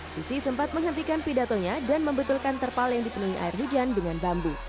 susi sempat menghentikan pidatonya dan membetulkan terpal yang dipenuhi air hujan dengan bambu